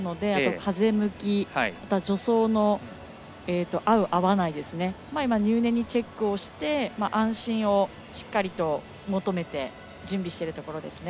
風向き、あとは助走の合う、合わないを今入念にチェックして、安心をしっかりと求めて準備しているところですね。